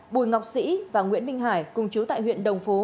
bùi ngọc sĩ và nguyễn minh hải cùng chú tại huyện đồng phú